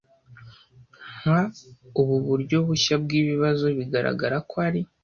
Nka ubu buryo bushya bwibibazo, bigaragara ko ari